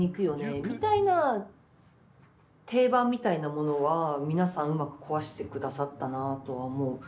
みたいな定番みたいなものは皆さんうまく壊して下さったなとは思う。